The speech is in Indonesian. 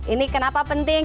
ini kenapa penting